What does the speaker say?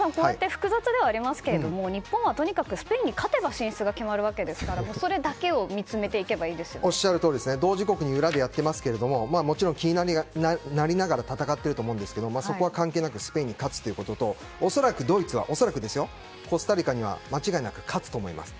複雑ではありますが日本はとにかくスペインに勝てば進出が決まりますからそれだけを同時刻に裏でやってますけど気になりながら戦っていると思うんですけどそこは関係なくスペインに勝つということと恐らくドイツは、コスタリカには間違いなく勝つと思います。